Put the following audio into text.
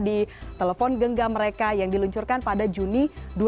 di telepon genggam mereka yang diluncurkan pada juni dua ribu dua puluh